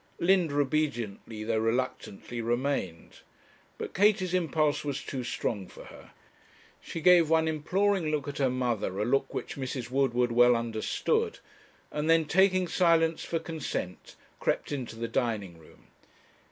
Linda obediently, though reluctantly, remained; but Katie's impulse was too strong for her. She gave one imploring look at her mother, a look which Mrs. Woodward well understood, and then taking silence for consent, crept into the dining room.